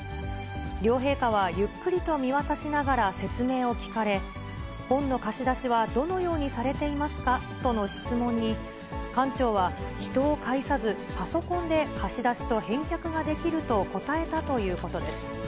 両陛下はゆっくりと見渡しながら説明を聞かれ、本の貸し出しはどのようにされていますか？との質問に、館長は人を介さずパソコンで貸し出しと返却ができると答えたということです。